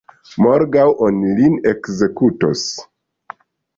Morgaŭ oni lin ekzekutos.